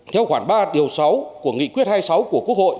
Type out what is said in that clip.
theo khoản ba điều sáu của nghị quyết hai mươi sáu của quốc hội